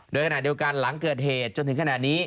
โดยขณะเดียวกันหลังเกิดเหตุจนถึงขณะนี้